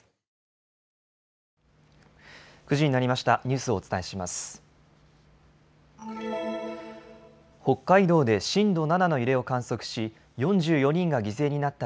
９時になりました。